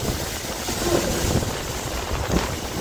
— Подыл.